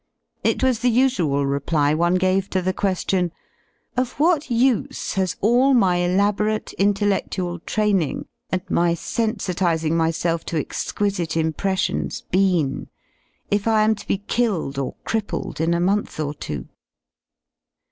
It was the usual reply one gave to the que^ion: Of what use has all my e labora te mte lledual tr^ mmz and my smsituitig , myself to exq uisite impressions been , if I am to be killed or crippled m a month or two